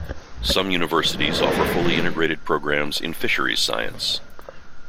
Some universities offer fully integrated programs in fisheries science.